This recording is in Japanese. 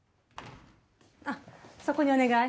あっそこにお願い。